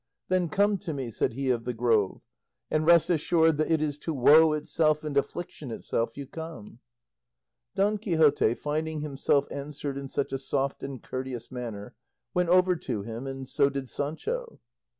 "Then come to me," said he of the Grove, "and rest assured that it is to woe itself and affliction itself you come." Don Quixote, finding himself answered in such a soft and courteous manner, went over to him, and so did Sancho.